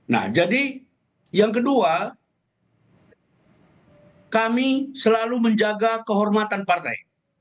nah jadi yang kedua kami selalu menjaga kehormatan partai